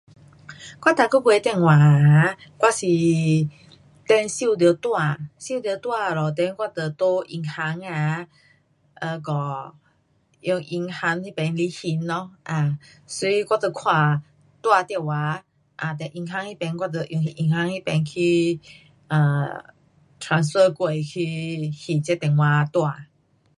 gua da go gui dian wa a, wo shi den xiu diu duan, xiu diu duan lo wo den do yin han a, hei go you yin han hi ben gi hin lo, sui yi wo bo kua dua diao wa, den yuan yin den gua gui yin han ke transfer ke gie hin zhe dian hua duan